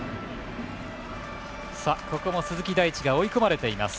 鈴木大地が追い込まれています。